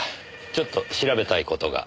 ちょっと調べたい事が。